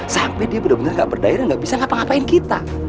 sampai dia benar benar nggak berdaya dan nggak bisa ngapa ngapain kita